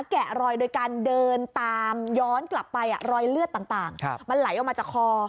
แกะรอยโดยการเดินตามย้อนกลับไปรอยเลือดต่างมันไหลออกมาจากคอ